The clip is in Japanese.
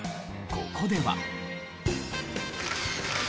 ここでは。